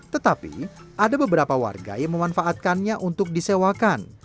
tetapi ada beberapa warga yang memanfaatkannya untuk disewakan